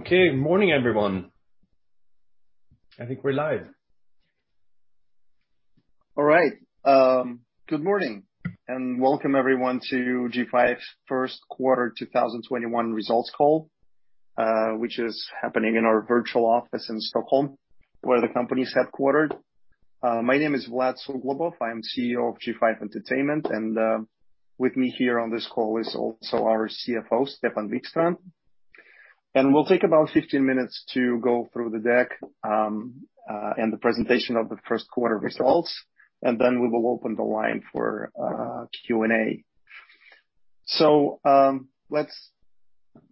Okay. Morning, everyone. I think we're live. All right. Good morning, and welcome everyone to G5 first quarter 2021 results call, which is happening in our virtual office in Stockholm, where the company is headquartered. My name is Vlad Suglobov. I am CEO of G5 Entertainment, and with me here on this call is also our CFO, Stefan Wikstrand. We'll take about 15 minutes to go through the deck, and the presentation of the first quarter results, and then we will open the line for Q&A. Let's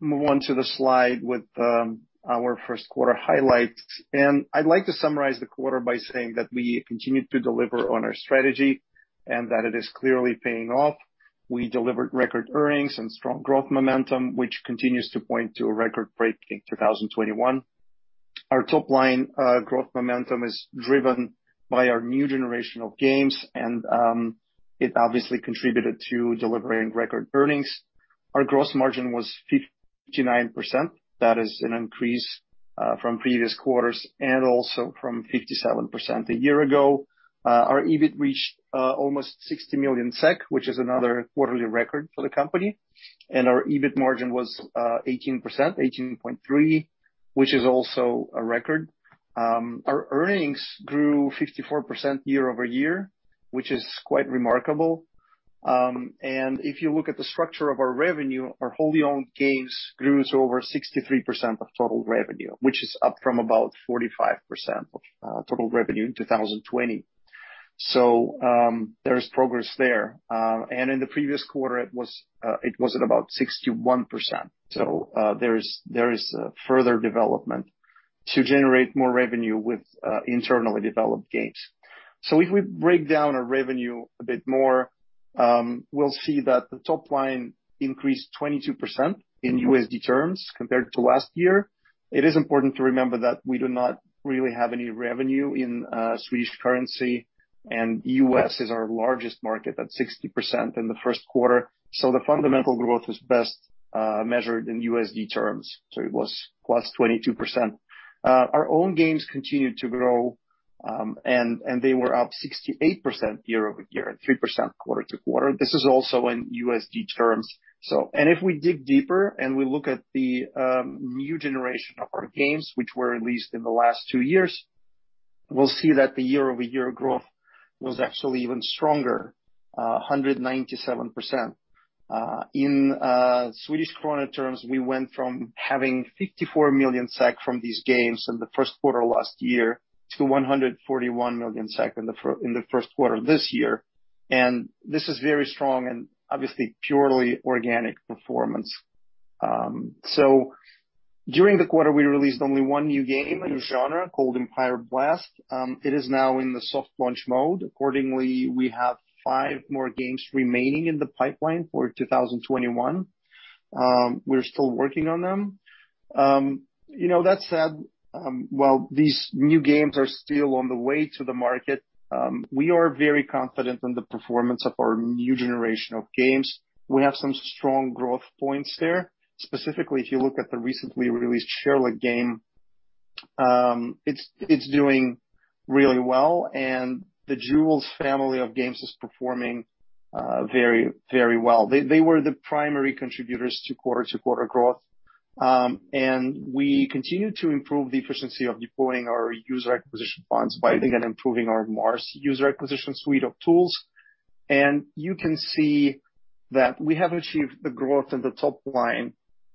move on to the slide with our first quarter highlights. I'd like to summarize the quarter by saying that we continued to deliver on our strategy, and that it is clearly paying off. We delivered record earnings and strong growth momentum, which continues to point to a record-breaking 2021. Our top line growth momentum is driven by our new generation of games, it obviously contributed to delivering record earnings. Our gross margin was 59%. That is an increase from previous quarters and also from 57% a year ago. Our EBIT reached almost 60 million SEK, which is another quarterly record for the company. Our EBIT margin was 18%, 18.3%, which is also a record. Our earnings grew 54% year-over-year, which is quite remarkable. If you look at the structure of our revenue, our wholly-owned games grew to over 63% of total revenue, which is up from about 45% of total revenue in 2020. There is progress there. In the previous quarter, it was at about 61%. There is further development to generate more revenue with internally developed games. If we break down our revenue a bit more, we'll see that the top line increased 22% in USD terms compared to last year. It is important to remember that we do not really have any revenue in Swedish currency, and U.S. is our largest market at 60% in the first quarter. The fundamental growth is best measured in USD terms. It was plus 22%. Our own games continued to grow, they were up 68% year-over-year at 3% quarter-to-quarter. This is also in USD terms. If we dig deeper and we look at the new generation of our games, which were released in the last two years, we'll see that the year-over-year growth was actually even stronger, 197%. In Swedish krona terms, we went from having 54 million SEK from these games in the first quarter last year to 141 million SEK in the first quarter this year. This is very strong and obviously purely organic performance. During the quarter, we released only one new game in the genre called Empire Blast! It is now in the soft launch mode. Accordingly, we have five more games remaining in the pipeline for 2021. We are still working on them. That said, while these new games are still on the way to the market, we are very confident in the performance of our new generation of games. We have some strong growth points there. Specifically, if you look at the recently released Sherlock game, it is doing really well. The Jewels family of games is performing very well. They were the primary contributors to quarter-to-quarter growth. We continued to improve the efficiency of deploying our user acquisition funds by again improving our M.A.R.S. user acquisition suite of tools. You can see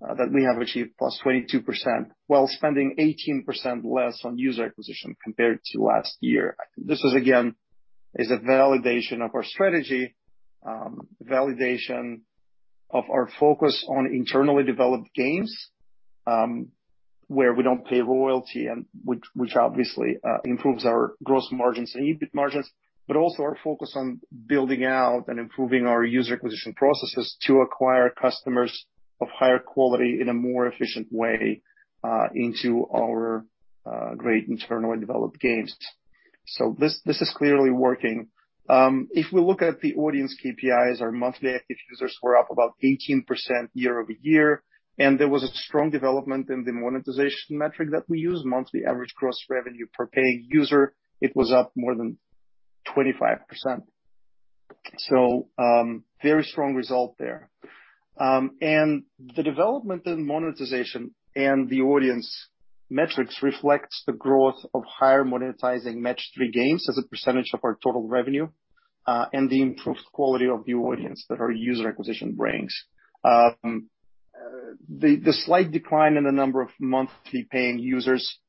that we have achieved the growth in the top line that we have achieved, +22%, while spending 18% less on user acquisition compared to last year. This is again, is a validation of our strategy, validation of our focus on internally developed games, where we do not pay royalty and which obviously improves our gross margins and EBIT margins. Also our focus on building out and improving our user acquisition processes to acquire customers of higher quality in a more efficient way into our great internally developed games. This is clearly working. If we look at the audience KPIs, our monthly active users were up about 18% year-over-year, and there was a strong development in the monetization metric that we use, monthly average gross revenue per paying user. It was up more than 25%. Very strong result there. The development in monetization and the audience metrics reflects the growth of higher monetizing Match-3 games as a percentage of our total revenue, and the improved quality of the audience that our user acquisition brings. The slight decline in the number of monthly paying users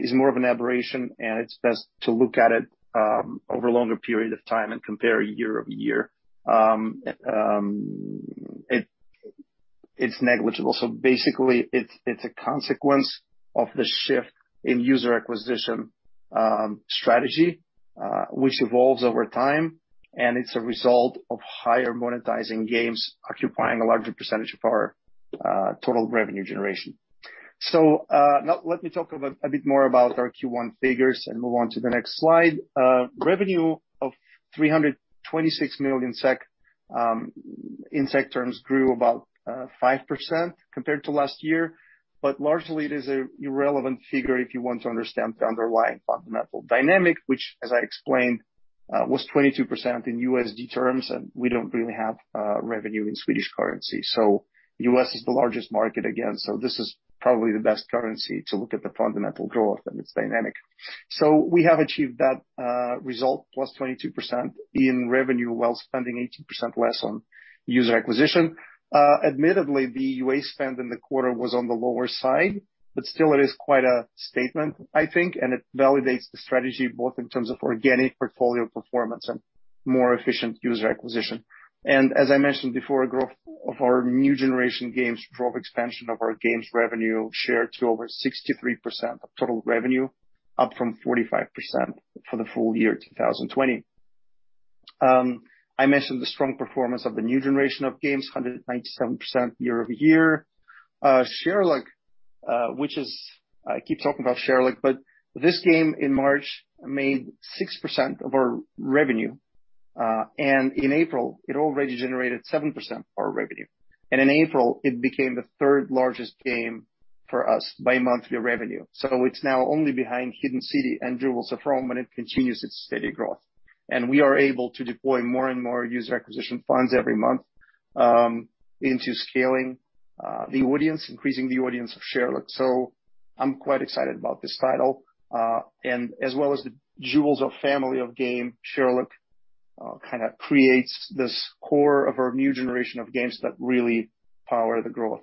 is more of an aberration, and it is best to look at it over a longer period of time and compare year-over-year. It is negligible. Basically, it is a consequence of the shift in user acquisition strategy, which evolves over time, and it is a result of higher monetizing games occupying a larger percentage of our total revenue generation. Now let me talk a bit more about our Q1 figures and move on to the next slide. Revenue of 326 million SEK in SEK terms grew about 5% compared to last year, but largely it is a irrelevant figure if you want to understand the underlying fundamental dynamic, which as I explained, was 22% in USD terms, and we do not really have revenue in Swedish currency. U.S. is the largest market again, so this is probably the best currency to look at the fundamental growth and its dynamic. We have achieved that result, +22% in revenue while spending 18% less on user acquisition. Admittedly, the UA spend in the quarter was on the lower side, but still it is quite a statement, I think, and it validates the strategy both in terms of organic portfolio performance and more efficient user acquisition. As I mentioned before, growth of our new generation games drove expansion of our games revenue share to over 63% of total revenue, up from 45% for the full year 2020. I mentioned the strong performance of the new generation of games, 197% year-over-year. Sherlock, which I keep talking about Sherlock, but this game in March made 6% of our revenue. In April, it already generated 7% of our revenue. In April, it became the third largest game for us by monthly revenue. It's now only behind Hidden City and Jewels of Rome, and it continues its steady growth. We are able to deploy more and more user acquisition funds every month into scaling the audience, increasing the audience of Sherlock. I'm quite excited about this title. As well as the Jewels of family of game, Sherlock kind of creates this core of our new generation of games that really power the growth.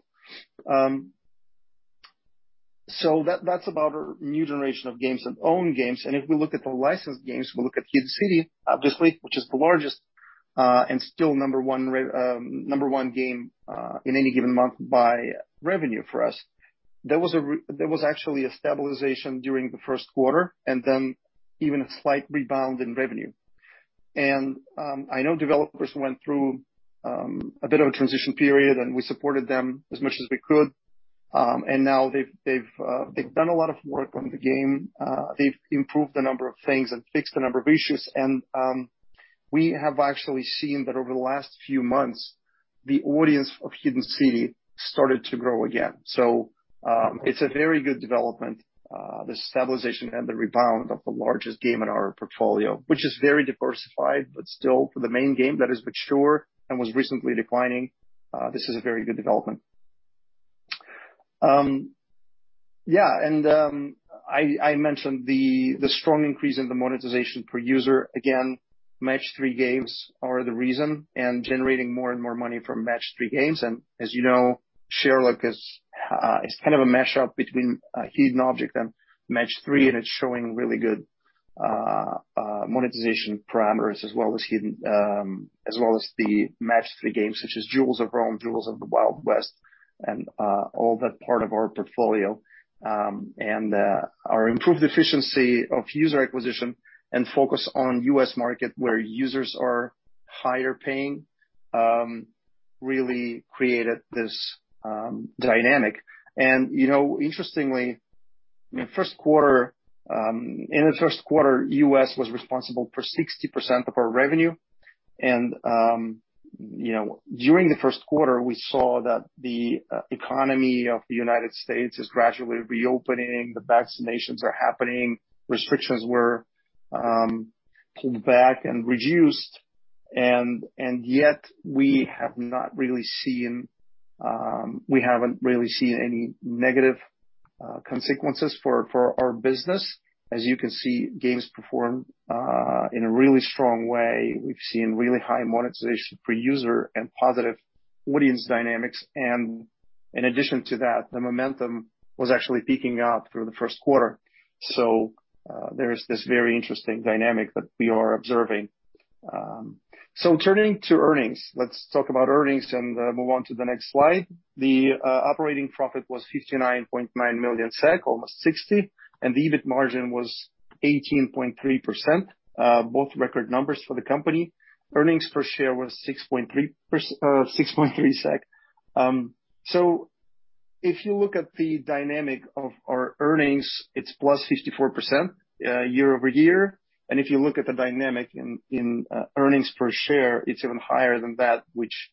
That's about our new generation of games and own games. If we look at the licensed games, we look at Hidden City, obviously, which is the largest, and still number one game, in any given month by revenue for us. There was actually a stabilization during the first quarter, then even a slight rebound in revenue. I know developers went through a bit of a transition period, and we supported them as much as we could. Now they've done a lot of work on the game. They've improved a number of things and fixed a number of issues. We have actually seen that over the last few months, the audience of Hidden City started to grow again. It's a very good development, the stabilization and the rebound of the largest game in our portfolio, which is very diversified, but still for the main game, that is mature and was recently declining, this is a very good development. I mentioned the strong increase in the monetization per user. Again, Match-3 games are the reason, generating more and more money from Match-3 games. As you know, Sherlock is kind of a mash-up between Hidden Object and Match-3, and it's showing really good monetization parameters as well as the Match-3 games such as Jewels of Rome, Jewels of the Wild West, and all that part of our portfolio. Our improved efficiency of user acquisition and focus on U.S. market where users are higher paying, really created this dynamic. Interestingly, in the first quarter, U.S. was responsible for 60% of our revenue. During the first quarter, we saw that the economy of the United States is gradually reopening, the vaccinations are happening, restrictions were pulled back and reduced, and yet we haven't really seen any negative consequences for our business. As you can see, games perform in a really strong way. We've seen really high monetization per user and positive audience dynamics. In addition to that, the momentum was actually peaking up through the first quarter. There is this very interesting dynamic that we are observing. Turning to earnings. Let's talk about earnings and move on to the next slide. The operating profit was 59.9 million SEK, almost 60, and the EBIT margin was 18.3%. Both record numbers for the company. Earnings per share was 6.3. If you look at the dynamic of our earnings, it's +54% year-over-year. If you look at the dynamic in earnings per share, it's even higher than that, which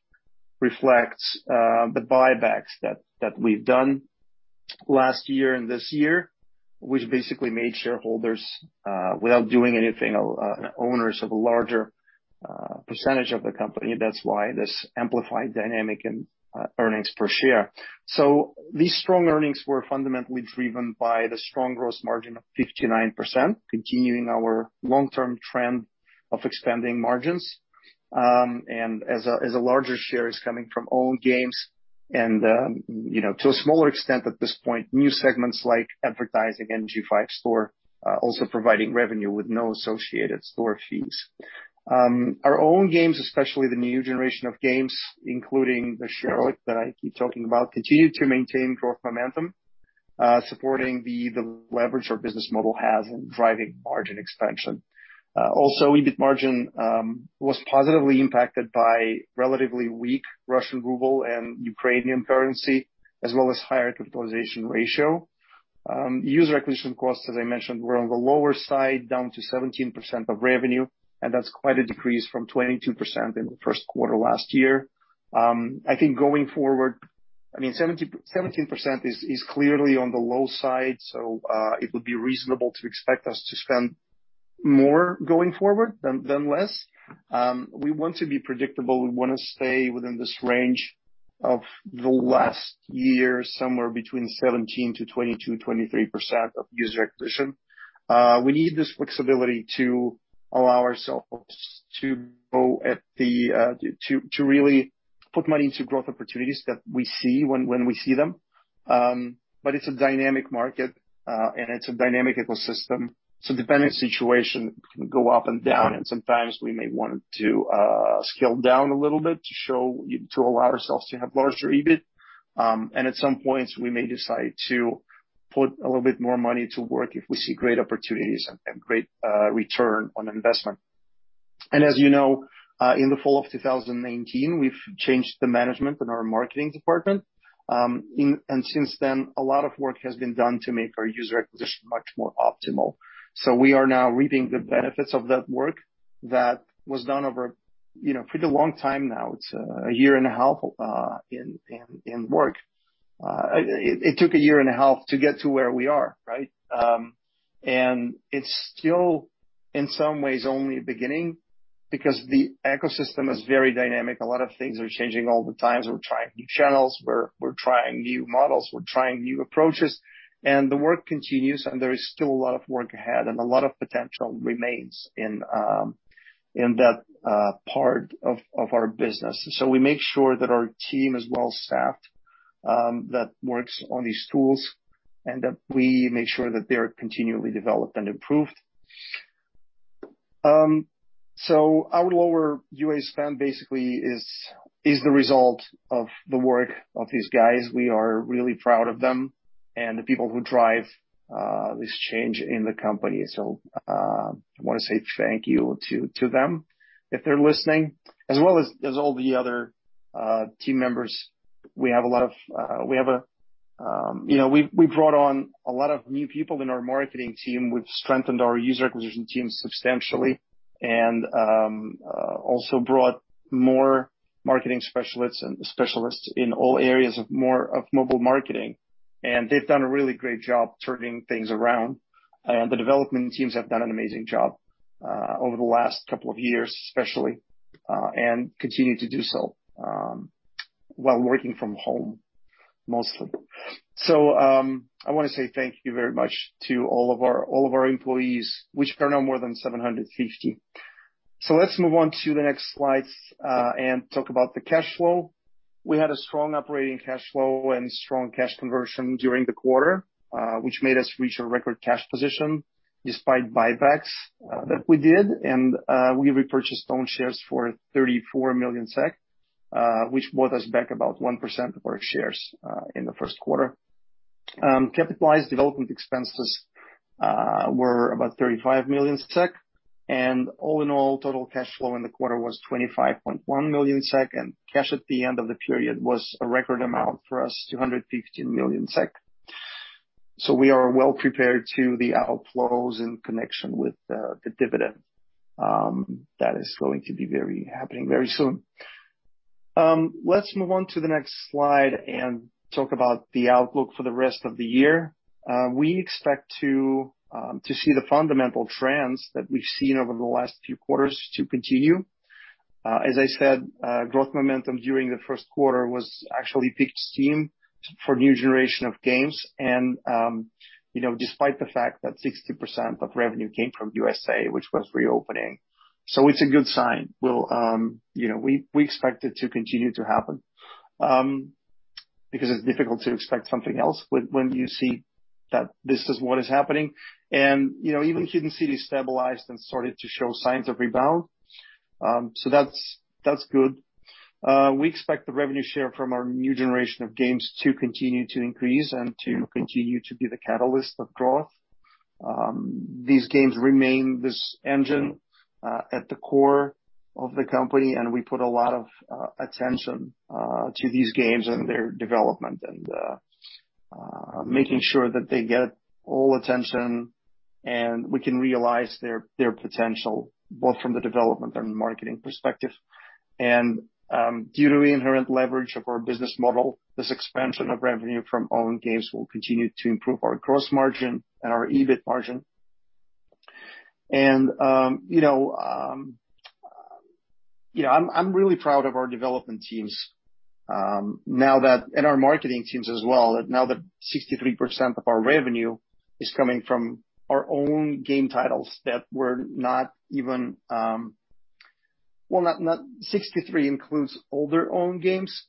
reflects the buybacks that we've done last year and this year, which basically made shareholders, without doing anything, owners of a larger percentage of the company. That's why there's amplified dynamic in earnings per share. These strong earnings were fundamentally driven by the strong gross margin of 59%, continuing our long-term trend of expanding margins. As a larger share is coming from own games and to a smaller extent at this point, new segments like advertising and G5 Store also providing revenue with no associated store fees. Our own games, especially the new generation of games, including the Sherlock that I keep talking about, continue to maintain growth momentum, supporting the leverage our business model has in driving margin expansion. Also, EBIT margin was positively impacted by relatively weak Russian ruble and Ukrainian currency as well as higher capitalization ratio. User acquisition costs, as I mentioned, were on the lower side, down to 17% of revenue, and that's quite a decrease from 22% in the first quarter last year. I think going forward, 17% is clearly on the low side, so it would be reasonable to expect us to spend more going forward than less. We want to be predictable. We want to stay within this range of the last year, somewhere between 17%-22%, 23% of user acquisition. We need this flexibility to allow ourselves to really put money into growth opportunities that we see when we see them. It's a dynamic market, and it's a dynamic ecosystem, depending situation can go up and down, and sometimes we may want to scale down a little bit to allow ourselves to have larger EBIT. At some points, we may decide to put a little bit more money to work if we see great opportunities and great return on investment. As you know, in the fall of 2019, we've changed the management in our marketing department. Since then, a lot of work has been done to make our user acquisition much more optimal. We are now reaping the benefits of that work that was done over pretty long time now. It's a year and a half in work. It took a year and a half to get to where we are. It's still, in some ways, only beginning because the ecosystem is very dynamic. A lot of things are changing all the time. We're trying new channels, we're trying new models, we're trying new approaches, and the work continues, and there is still a lot of work ahead and a lot of potential remains in that part of our business. We make sure that our team is well-staffed that works on these tools, and that we make sure that they're continually developed and improved. Our lower UA spend basically is the result of the work of these guys. We are really proud of them and the people who drive this change in the company. I want to say thank you to them if they're listening, as well as all the other team members. We brought on a lot of new people in our marketing team. We've strengthened our user acquisition team substantially, also brought more marketing specialists and specialists in all areas of mobile marketing. They've done a really great job turning things around. The development teams have done an amazing job over the last couple of years, especially, and continue to do so while working from home mostly. I want to say thank you very much to all of our employees, which are now more than 750. Let's move on to the next slides and talk about the cash flow. We had a strong operating cash flow and strong cash conversion during the quarter, which made us reach a record cash position despite buybacks that we did. We repurchased own shares for 34 million SEK, which brought us back about 1% of our shares in the first quarter. Capitalized development expenses were about 35 million SEK. All in all, total cash flow in the quarter was 25.1 million SEK, and cash at the end of the period was a record amount for us, 215 million SEK. We are well prepared to the outflows in connection with the dividend that is going to be happening very soon. Let's move on to the next slide and talk about the outlook for the rest of the year. We expect to see the fundamental trends that we've seen over the last few quarters to continue. As I said, growth momentum during the first quarter was actually picked steam for new generation of games, despite the fact that 60% of revenue came from U.S.A., which was reopening. It's a good sign. We expect it to continue to happen, because it's difficult to expect something else when you see that this is what is happening. Even Hidden City stabilized and started to show signs of rebound. That's good. We expect the revenue share from our new generation of games to continue to increase and to continue to be the catalyst of growth. These games remain this engine at the core of the company, and we put a lot of attention to these games and their development, and making sure that they get all attention, and we can realize their potential, both from the development and marketing perspective. Due to the inherent leverage of our business model, this expansion of revenue from own games will continue to improve our gross margin and our EBIT margin. I'm really proud of our development teams and our marketing teams as well now that 63% of our revenue is coming from our own game titles that were not even-- 63 includes older own games.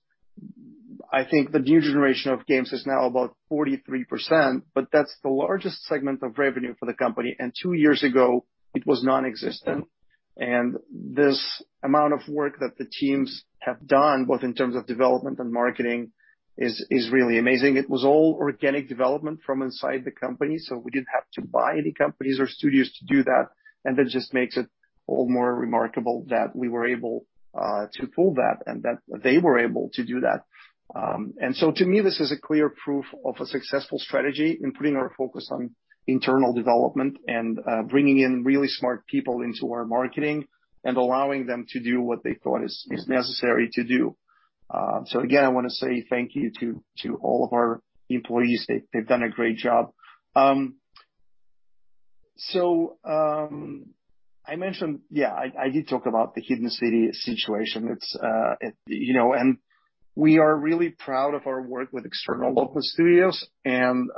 I think the new generation of games is now about 43%, but that's the largest segment of revenue for the company. Two years ago, it was nonexistent. This amount of work that the teams have done, both in terms of development and marketing, is really amazing. It was all organic development from inside the company, so we didn't have to buy any companies or studios to do that just makes it all the more remarkable that we were able to pull that and that they were able to do that. To me, this is a clear proof of a successful strategy in putting our focus on internal development and bringing in really smart people into our marketing and allowing them to do what they thought is necessary to do. Again, I want to say thank you to all of our employees. They've done a great job. I did talk about the Hidden City situation. We are really proud of our work with external local studios and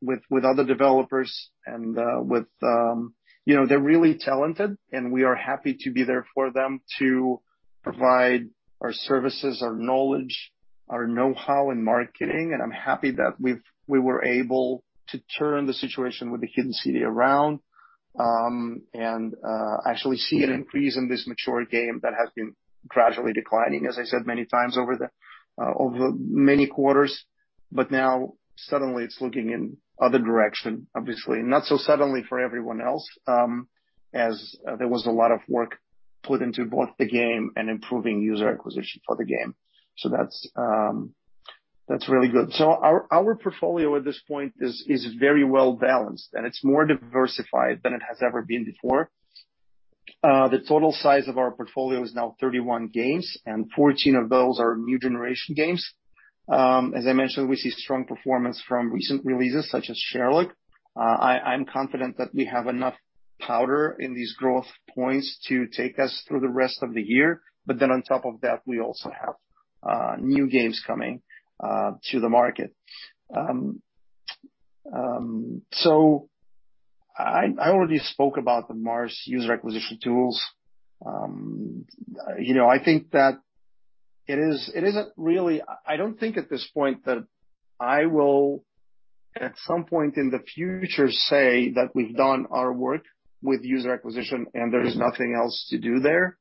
with other developers. They're really talented, and we are happy to be there for them to provide our services, our knowledge, our know-how in marketing, and I'm happy that we were able to turn the situation with Hidden City around, and actually see an increase in this mature game that has been gradually declining, as I said many times over many quarters. Now suddenly it's looking in other direction, obviously, not so suddenly for everyone else, as there was a lot of work put into both the game and improving user acquisition for the game. That's really good. Our portfolio at this point is very well-balanced, and it's more diversified than it has ever been before. The total size of our portfolio is now 31 games, and 14 of those are new generation games. As I mentioned, we see strong performance from recent releases such as Sherlock. I'm confident that we have enough powder in these growth points to take us through the rest of the year. On top of that, we also have new games coming to the market. I already spoke about the M.A.R.S. user acquisition tools. I don't think at this point that I will, at some point in the future, say that we've done our work with user acquisition and there is nothing else to do there.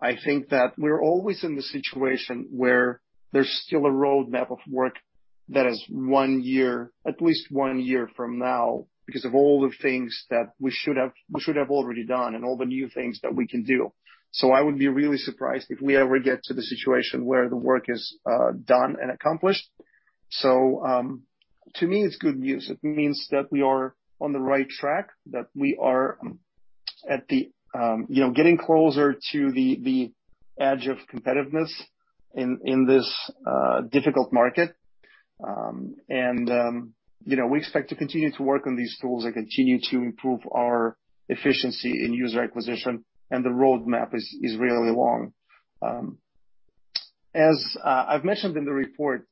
I think that we are always in the situation where there's still a roadmap of work that is one year, at least one year from now because of all the things that we should have already done and all the new things that we can do. I would be really surprised if we ever get to the situation where the work is done and accomplished. To me, it's good news. It means that we are on the right track, that we are getting closer to the edge of competitiveness in this difficult market. We expect to continue to work on these tools and continue to improve our efficiency in user acquisition and the roadmap is really long. As I've mentioned in the report,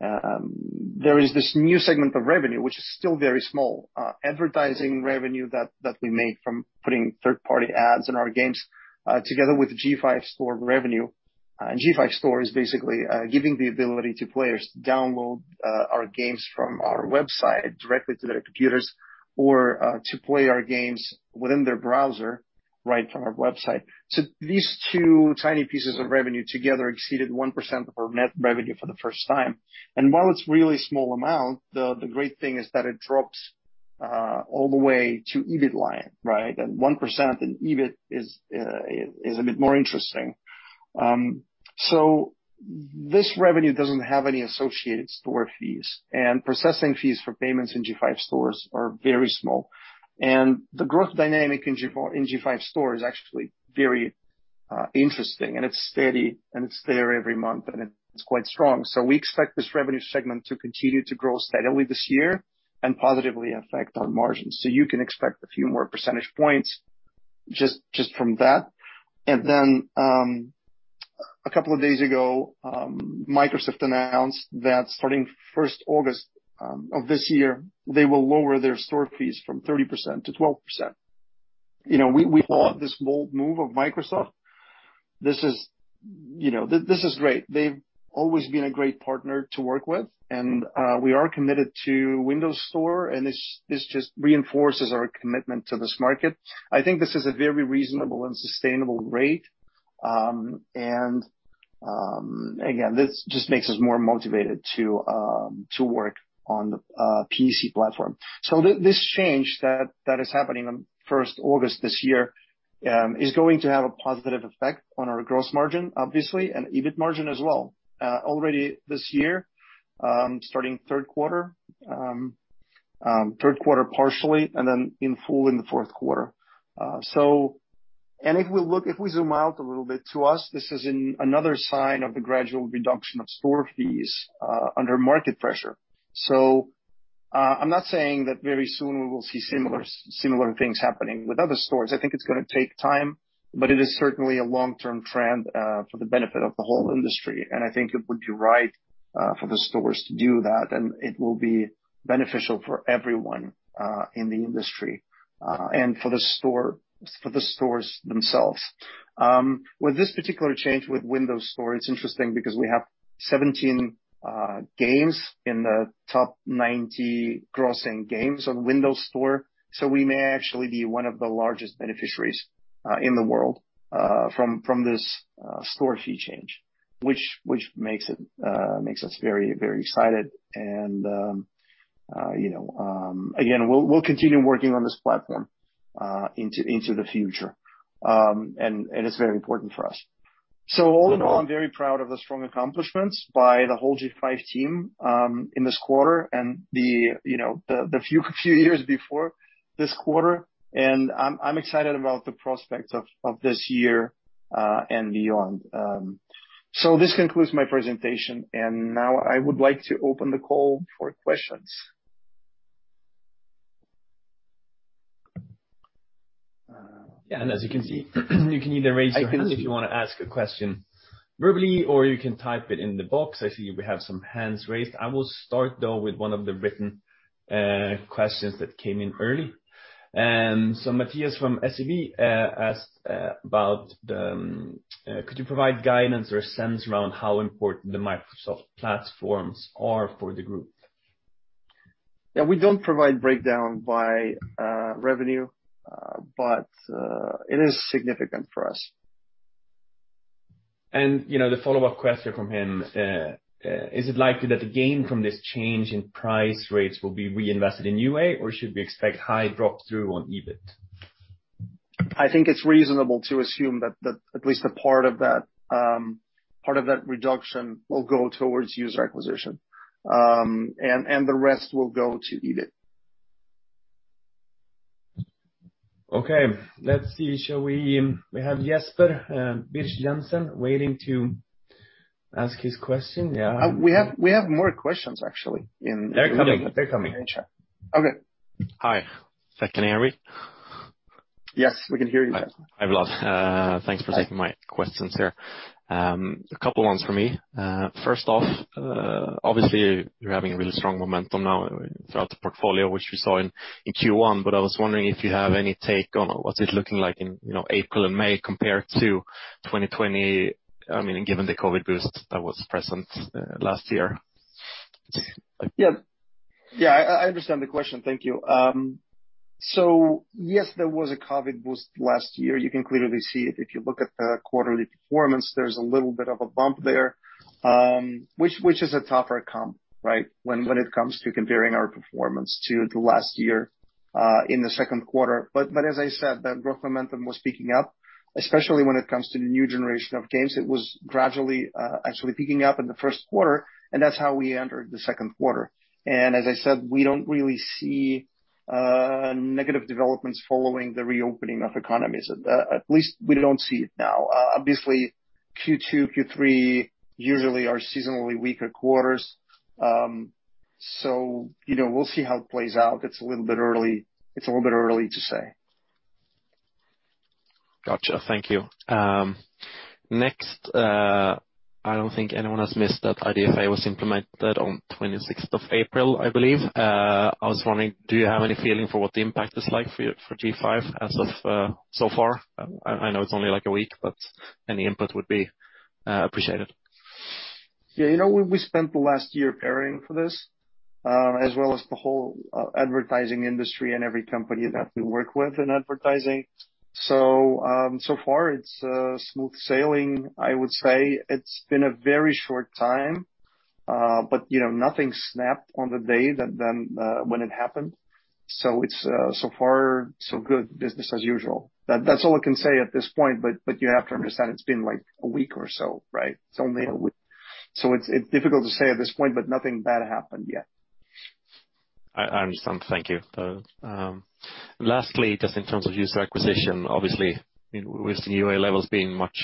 there is this new segment of revenue, which is still very small, advertising revenue that we make from putting third-party ads in our games, together with G5 Store revenue. G5 Store is basically giving the ability to players to download our games from our website directly to their computers, or to play our games within their browser, right from our website. These two tiny pieces of revenue together exceeded 1% of our net revenue for the first time. While it's really small amount, the great thing is that it drops all the way to EBIT line, right? 1% in EBIT is a bit more interesting. This revenue doesn't have any associated store fees, and processing fees for payments in G5 Store are very small. The growth dynamic in G5 Store is actually very interesting, and it's steady, and it's there every month, and it's quite strong. We expect this revenue segment to continue to grow steadily this year and positively affect our margins. You can expect a few more percentage points just from that. Then, a couple of days ago, Microsoft announced that starting 1st August of this year, they will lower their store fees from 30% to 12%. We applaud this bold move of Microsoft. This is great. They've always been a great partner to work with, and we are committed to Windows Store, and this just reinforces our commitment to this market. This is a very reasonable and sustainable rate. Again, this just makes us more motivated to work on the PC platform. This change that is happening on 1st August this year, is going to have a positive effect on our gross margin, obviously, and EBIT margin as well, already this year, starting third quarter partially, and then in full in the fourth quarter. We zoom out a little bit, to us, this is another sign of the gradual reduction of store fees under market pressure. I'm not saying that very soon we will see similar things happening with other stores. I think it's going to take time, but it is certainly a long-term trend for the benefit of the whole industry, and I think it would be right for the stores to do that, and it will be beneficial for everyone in the industry, and for the stores themselves. With this particular change with Windows Store, it's interesting because we have 17 games in the top 90 grossing games on Windows Store, so we may actually be one of the largest beneficiaries in the world from this store fee change. Which makes us very excited. Again, we'll continue working on this platform into the future. It's very important for us. All in all, I'm very proud of the strong accomplishments by the whole G5 team, in this quarter and the few years before this quarter. I'm excited about the prospects of this year, and beyond. This concludes my presentation, and now I would like to open the call for questions. Yeah. As you can see, you can either raise your hand if you want to ask a question verbally, or you can type it in the box. I see we have some hands raised. I will start, though, with one of the written questions that came in early. Matthias from SEB asked about, could you provide guidance or sense around how important the Microsoft platforms are for the group? Yeah. We don't provide breakdown by revenue. It is significant for us. The follow-up question from him, is it likely that the gain from this change in price rates will be reinvested in UA, or should we expect high drop-through on EBIT? I think it's reasonable to assume that at least a part of that reduction will go towards user acquisition. The rest will go to EBIT. Okay. Let's see. We have Jesper Birch-Jensen waiting to ask his question. Yeah. We have more questions, actually, in the. They're coming. Okay. Hi. Can you hear me? Yes, we can hear you. Hi, Vlad. Thanks for taking my questions here. A couple ones for me. First off, obviously you're having a really strong momentum now throughout the portfolio, which we saw in Q1. I was wondering if you have any take on what it's looking like in April and May compared to 2020, given the COVID boost that was present last year. Yeah. I understand the question. Thank you. Yes, there was a COVID boost last year. You can clearly see it if you look at the quarterly performance, there's a little bit of a bump there, which is a tougher comp, right? When it comes to comparing our performance to the last year, in the second quarter. As I said, that growth momentum was picking up, especially when it comes to the new generation of games. It was gradually actually picking up in the first quarter, and that's how we entered the second quarter. As I said, we don't really see negative developments following the reopening of economies. At least we don't see it now. Obviously, Q2, Q3 usually are seasonally weaker quarters. We'll see how it plays out. It's a little bit early to say. Gotcha. Thank you. Next, I don't think anyone has missed that IDFA was implemented on 26th of April, I believe. I was wondering, do you have any feeling for what the impact is like for G5 as of so far? I know it's only like a week, but any input would be appreciated. Yeah. We spent the last year preparing for this, as well as the whole advertising industry and every company that we work with in advertising. So far it's smooth sailing, I would say. It's been a very short time. Nothing snapped on the day when it happened. It's so far so good, business as usual. That's all I can say at this point, but you have to understand it's been like a week or so, right? It's only a week. It's difficult to say at this point, but nothing bad happened yet. I understand. Thank you, though. Lastly, just in terms of user acquisition, obviously with UA levels being much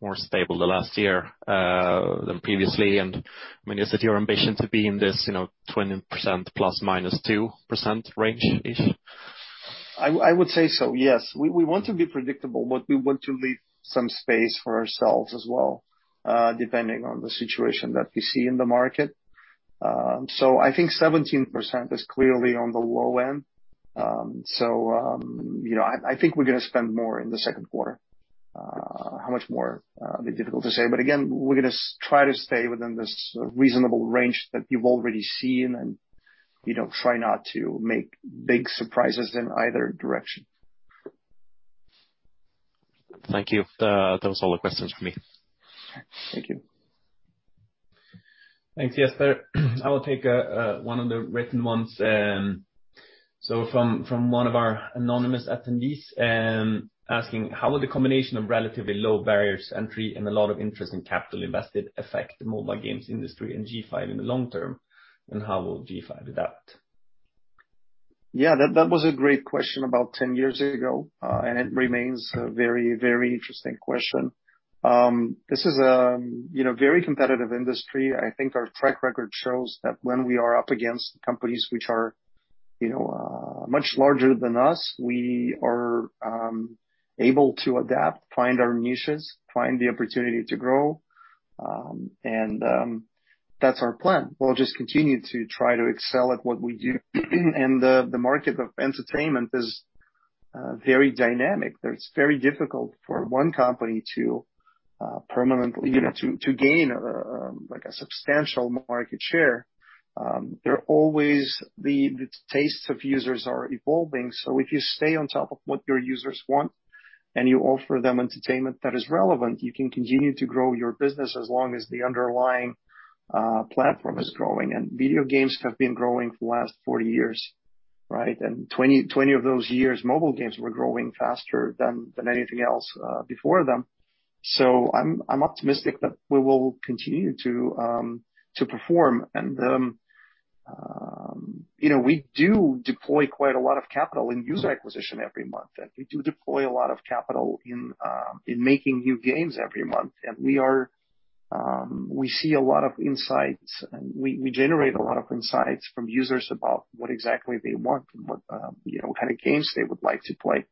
more stable the last year than previously, is it your ambition to be in this 20% ±2% range-ish? I would say so, yes. We want to be predictable, we want to leave some space for ourselves as well, depending on the situation that we see in the market. I think 17% is clearly on the low end. I think we're going to spend more in the second quarter. How much more? A bit difficult to say. Again, we're going to try to stay within this reasonable range that you've already seen and try not to make big surprises in either direction. Thank you. That was all the questions from me. Thank you. Thanks, Jesper. I will take one of the written ones. From one of our anonymous attendees, asking, how will the combination of relatively low barriers to entry and a lot of interest in capital invested affect the mobile games industry and G5 in the long term? How will G5 adapt? Yeah, that was a great question about 10 years ago. It remains a very interesting question. This is a very competitive industry. I think our track record shows that when we are up against companies which are much larger than us, we are able to adapt, find our niches, find the opportunity to grow. That's our plan. We'll just continue to try to excel at what we do. The market of entertainment is very dynamic. It's very difficult for one company to permanently gain a substantial market share. The tastes of users are evolving, if you stay on top of what your users want. You offer them entertainment that is relevant. You can continue to grow your business as long as the underlying platform is growing. Video games have been growing for the last 40 years. 20 of those years, mobile games were growing faster than anything else before them. I'm optimistic that we will continue to perform. We do deploy quite a lot of capital in user acquisition every month, and we do deploy a lot of capital in making new games every month. We see a lot of insights, and we generate a lot of insights from users about what exactly they want and what kind of games they would like to play.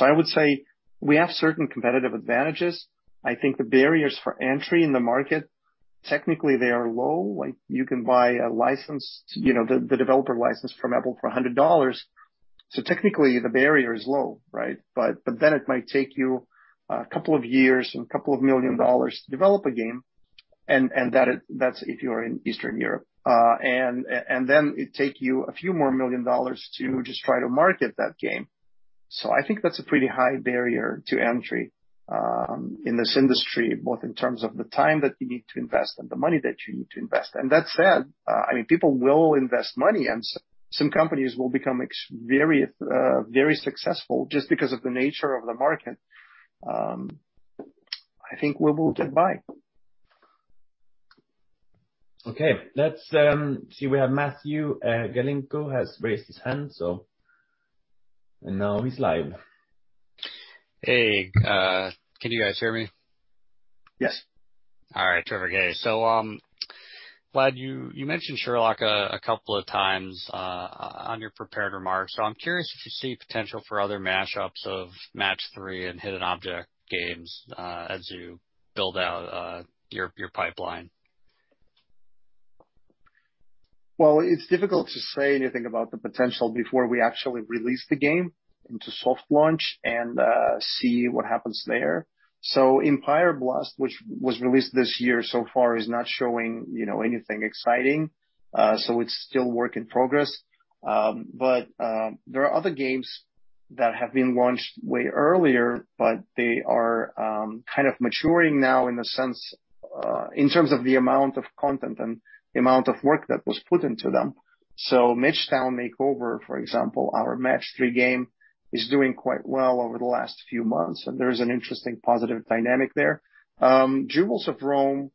I would say we have certain competitive advantages. I think the barriers for entry in the market, technically they are low. You can buy the developer license from Apple for SEK 100. Technically the barrier is low. It might take you a couple of years and a couple of SEK million to develop a game, and that's if you are in Eastern Europe. It takes you a few more SEK million to just try to market that game. I think that's a pretty high barrier to entry in this industry, both in terms of the time that you need to invest and the money that you need to invest. That said, people will invest money and some companies will become very successful just because of the nature of the market. I think we will get by. Okay. Let's see, we have Matthew Galinko has raised his hand, and now he's live. Hey, can you guys hear me? Yes. All right. Trevor Gay. Vlad, you mentioned Sherlock a couple of times on your prepared remarks. I'm curious if you see potential for other mashups of Match 3 and Hidden Object games as you build out your pipeline. Well, it's difficult to say anything about the potential before we actually release the game into soft launch and see what happens there. Empire Blast, which was released this year, so far is not showing anything exciting. It's still work in progress. There are other games that have been launched way earlier, but they are maturing now in terms of the amount of content and the amount of work that was put into them. Midewood Makeover, for example, our Match 3 game, is doing quite well over the last few months, and there is an interesting positive dynamic there. Jewels of Rome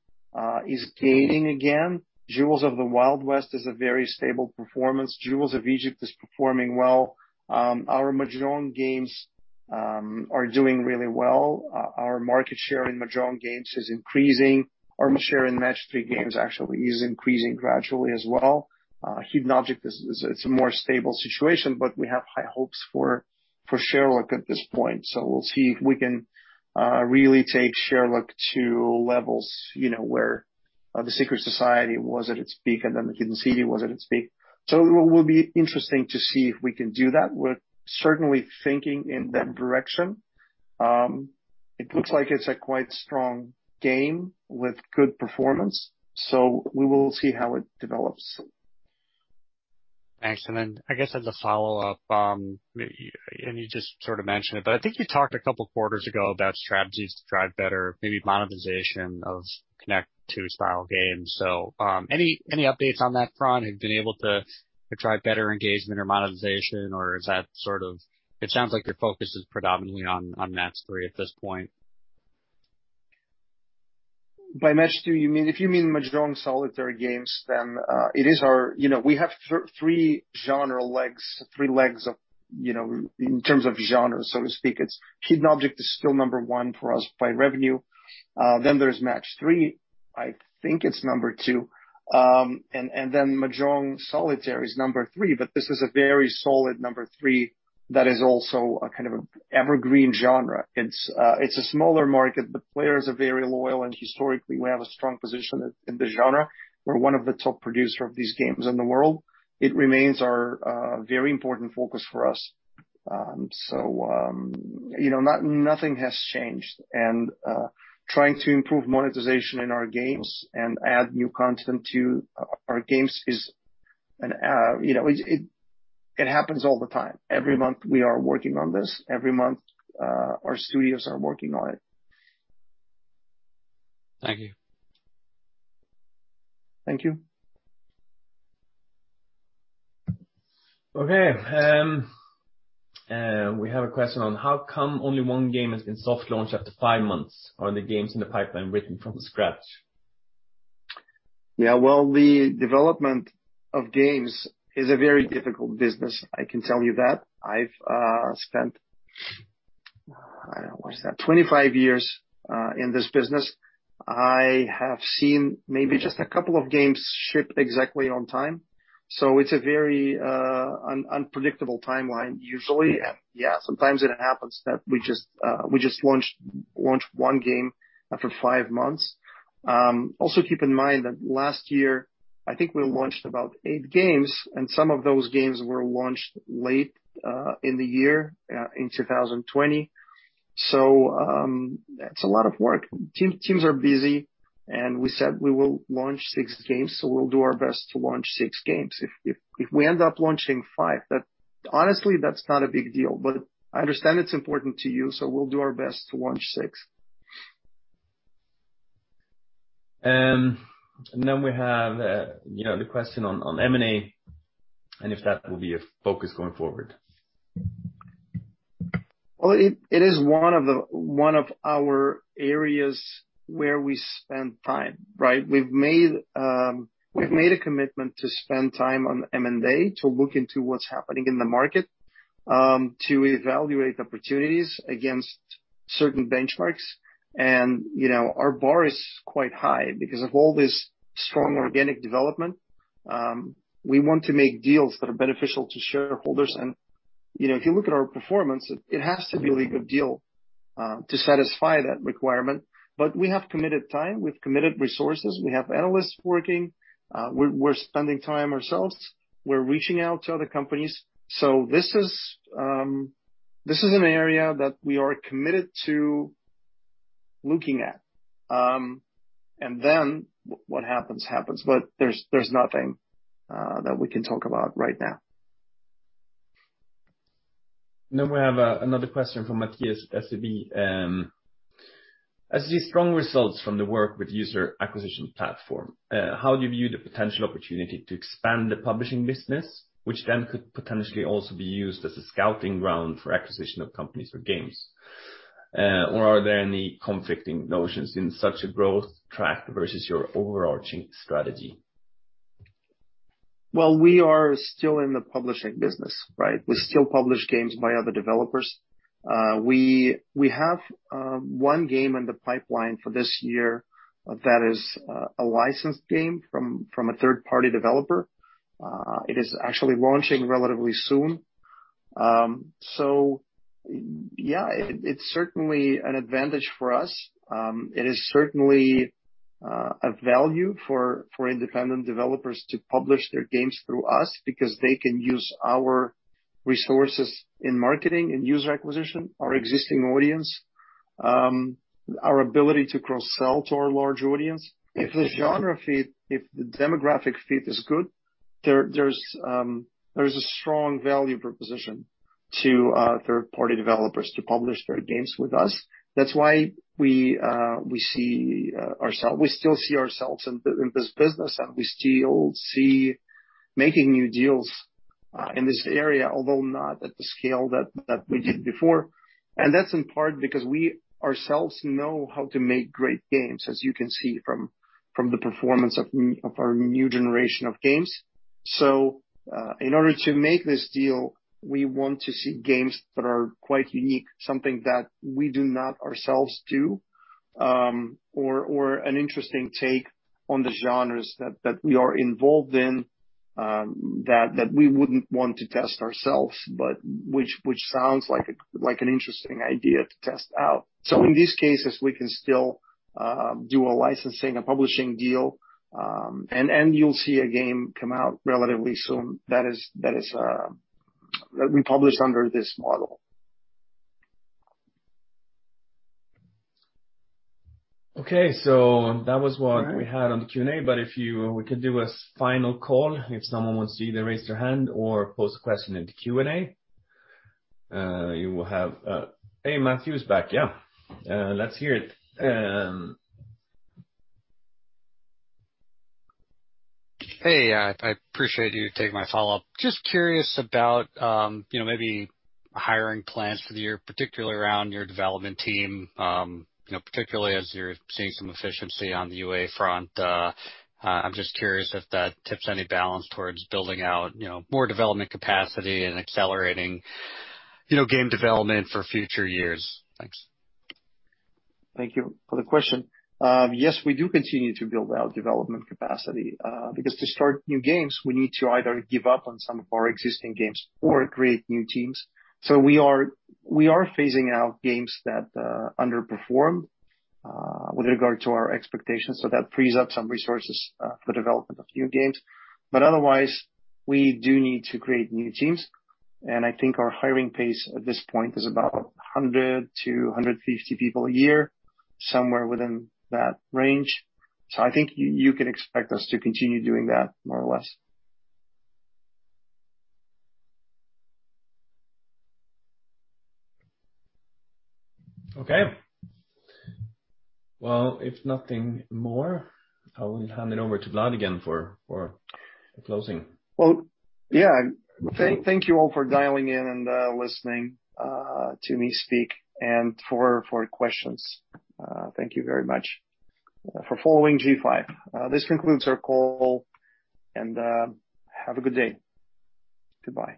is gaining again. Jewels of the Wild West is a very stable performance. Jewels of Egypt is performing well. Our Mahjong games are doing really well. Our market share in Mahjong games is increasing. Our market share in Match-3 games actually is increasing gradually as well. Hidden Object, it's a more stable situation, but we have high hopes for Sherlock at this point. We'll see if we can really take Sherlock to levels where The Secret Society was at its peak and then Hidden City was at its peak. It will be interesting to see if we can do that. We're certainly thinking in that direction. It looks like it's a quite strong game with good performance, so we will see how it develops. Thanks. Then I guess as a follow-up, you just sort of mentioned it, but I think you talked a couple of quarters ago about strategies to drive better, maybe monetization of Connect 2-style games. Any updates on that front? Have you been able to drive better engagement or monetization, or is that sort of it sounds like your focus is predominantly on Match-3 at this point. By Match 2, if you mean Mahjong Solitaire games, we have three genre legs, three legs in terms of genre, so to speak. Hidden Object is still number 1 for us by revenue. There's Match-3, I think it's number 2. Then Mahjong Solitaire is number 3, but this is a very solid number 3 that is also a kind of an evergreen genre. It's a smaller market. The players are very loyal, and historically, we have a strong position in the genre. We're one of the top producer of these games in the world. It remains our very important focus for us. Nothing has changed. Trying to improve monetization in our games and add new content to our games, it happens all the time. Every month we are working on this. Every month our studios are working on it. Thank you. Thank you. Okay. We have a question on how come only one game is in soft launch after five months. Are the games in the pipeline written from scratch? Yeah. Well, the development of games is a very difficult business, I can tell you that. I've spent, what's that, 25 years in this business. I have seen maybe just a couple of games ship exactly on time. It's a very unpredictable timeline usually. Yeah, sometimes it happens that we just launch one game after five months. Also keep in mind that last year, I think we launched about eight games, and some of those games were launched late in the year in 2020. It's a lot of work. Teams are busy. We said we will launch six games, so we'll do our best to launch six games. If we end up launching five, honestly, that's not a big deal, but I understand it's important to you, so we'll do our best to launch six. We have the question on M&A and if that will be a focus going forward. Well, it is one of our areas where we spend time, right? We've made a commitment to spend time on M&A to look into what's happening in the market, to evaluate opportunities against certain benchmarks. Our bar is quite high because of all this strong organic development. We want to make deals that are beneficial to shareholders. If you look at our performance, it has to be a really good deal to satisfy that requirement. We have committed time, we've committed resources, we have analysts working. We're spending time ourselves. We're reaching out to other companies. This is an area that we are committed to looking at. What happens. There's nothing that we can talk about right now. We have another question from Matthias at SEB. As you see strong results from the work with user acquisition platform, how do you view the potential opportunity to expand the publishing business, which then could potentially also be used as a scouting ground for acquisition of companies for games? Are there any conflicting notions in such a growth track versus your overarching strategy? Well, we are still in the publishing business, right? We still publish games by other developers. We have one game in the pipeline for this year that is a licensed game from a third-party developer. It is actually launching relatively soon. Yeah, it's certainly an advantage for us. It is certainly a value for independent developers to publish their games through us because they can use our resources in marketing and user acquisition, our existing audience, our ability to cross-sell to our large audience. If the genre fit, if the demographic fit is good, there is a strong value proposition to third-party developers to publish their games with us. That's why we still see ourselves in this business, and we still see making new deals in this area, although not at the scale that we did before. That's in part because we ourselves know how to make great games, as you can see from the performance of our new generation of games. In order to make this deal, we want to see games that are quite unique, something that we do not ourselves do, or an interesting take on the genres that we are involved in, that we wouldn't want to test ourselves, but which sounds like an interesting idea to test out. In these cases, we can still do a licensing, a publishing deal, and you'll see a game come out relatively soon that we publish under this model. Okay, that was what we had on the Q&A, but we could do a final call if someone wants to either raise their hand or pose a question in the Q&A. Hey, Matthew's back, yeah. Let's hear it. Hey, I appreciate you taking my follow-up. Just curious about maybe hiring plans for the year, particularly around your development team, particularly as you're seeing some efficiency on the UA front. I'm just curious if that tips any balance towards building out more development capacity and accelerating game development for future years. Thanks. Thank you for the question. Yes, we do continue to build out development capacity, because to start new games, we need to either give up on some of our existing games or create new teams. We are phasing out games that underperform with regard to our expectations, so that frees up some resources for development of new games. Otherwise, we do need to create new teams, and I think our hiring pace at this point is about 100-150 people a year, somewhere within that range. I think you can expect us to continue doing that, more or less. Okay. Well, if nothing more, I will hand it over to Vlad again for the closing. Well, yeah. Thank you all for dialing in and listening to me speak, and for the questions. Thank you very much for following G5. This concludes our call, and have a good day. Goodbye